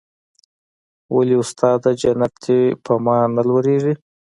ولې استاده جنت دې پر ما نه لورېږي.